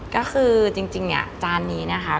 ก็คือจริงจานนี้นะคะ